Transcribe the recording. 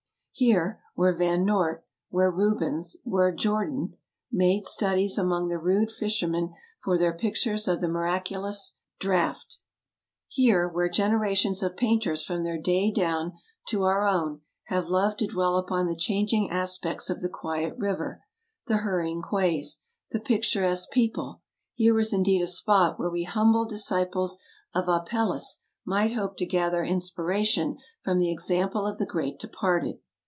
Here, where Van Noort, where Rubens, where Jordaens made studies among the rude fishermen for their pictures of the Miraculous Draught — here, where generations of painters from their day down to our own have loved to dwell upon the changing aspects of the quiet river, the hurrying quays, the picturesque people — here was indeed a spot where we humble disciples of Apelles might hope to gather inspiration from the example of the great departed.